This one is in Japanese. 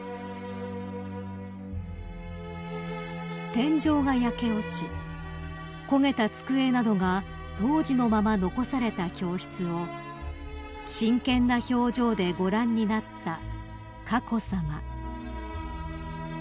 ［天井が焼け落ち焦げた机などが当時のまま残された教室を真剣な表情でご覧になった佳子さま］